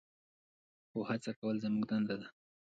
خو هڅه کول زموږ دنده ده.